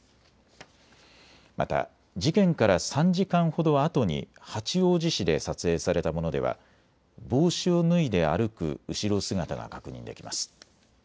また事件から３時間ほどあとに八王子市で撮影されたものでは帽子を脱いで歩く後ろ姿が確認できます。